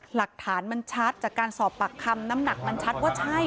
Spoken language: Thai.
หลักฐานมันชัดจากการสอบปากคำน้ำหนักมันชัดว่าใช่